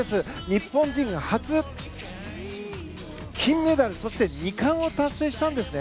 日本人初金メダル、そして２冠を達成したんですね。